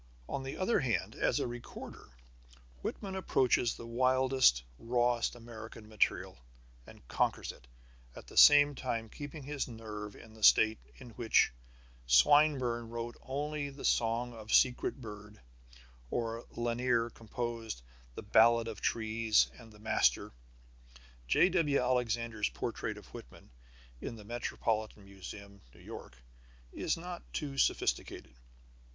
On the other hand, as a recorder Whitman approaches the wildest, rawest American material and conquers it, at the same time keeping his nerves in the state in which Swinburne wrote Only the Song of Secret Bird, or Lanier composed The Ballad of Trees and The Master. J.W. Alexander's portrait of Whitman in the Metropolitan Museum, New York, is not too sophisticated.